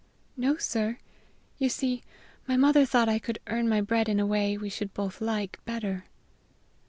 "No, sir. You see, my mother thought I could earn my bread in a way we should both like better."